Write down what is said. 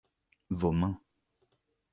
Vos mains.